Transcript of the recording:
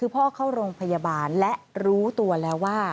คือพ่อเข้าโรงพยาบาลและรู้ตัวแล้วว่า